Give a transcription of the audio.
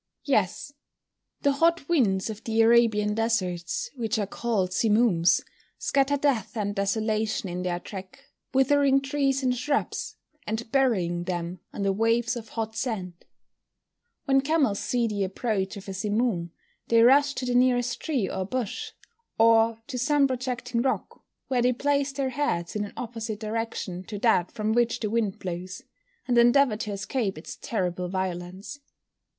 _ Yes. The hot winds of the Arabian deserts, which are called simooms, scatter death and desolation in their track, withering trees and shrubs, and burying them under waves of hot sand. When camels see the approach of a simoom they rush to the nearest tree or bush, or to some projecting rock, where they place their heads in an opposite direction to that from which the wind blows, and endeavour to escape its terrible violence.